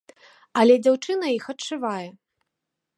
Але дзяўчына іх адшывае.